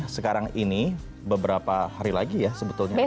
sekarang ini beberapa hari lagi ya sebetulnya